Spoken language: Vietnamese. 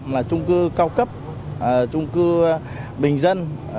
là trung cư cao cấp trung cư bình dân